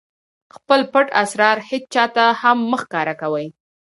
خپل پټ اسرار هېچاته هم مه ښکاره کوئ!